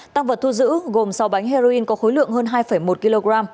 tăng vật thu giữ gồm sáu bánh heroin có khối lượng hơn hai một kg